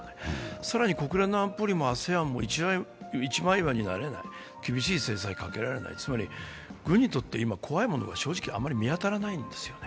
更に国連の安保理もＡＳＥＡＮも一枚岩になれない、厳しい制裁をかけられないつまり軍にとって今、怖いものが正直、見当たらないんですよね。